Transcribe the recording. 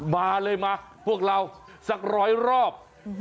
มาเลยไหมพวกเราสัก๑๐๐รอบ